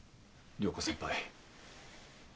涼子先輩